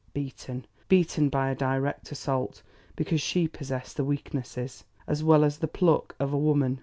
Beaten, beaten by a direct assault, because she possessed the weaknesses, as well as the pluck, of a woman.